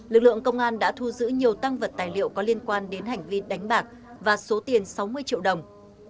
lực lượng công an đã thu giữ nhiều tăng vật tài liệu có liên quan đến hành vi đánh bạc và số tiền sáu mươi triệu đồng